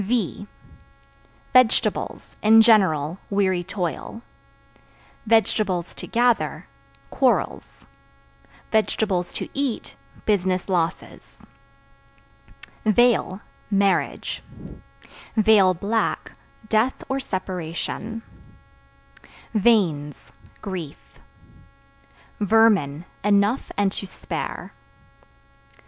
V Vegetables (In general) weary toil; (to gather) quarrels; (to eat) business losses. Veil Marriage; (black) death or separation. Veins Grief. Vermin Enough and to spare.